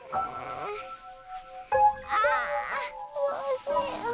あどうしよう。